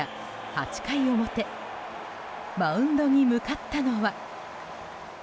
８回表マウンドに向かったのは。